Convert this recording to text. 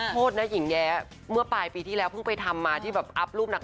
โทษนะหญิงแย้เมื่อปลายปีที่แล้วเพิ่งไปทำมาที่แบบอัพรูปนัก